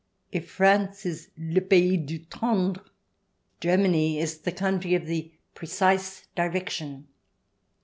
If France is Le pays du Tendre, Germany is the country of the Precise Direction.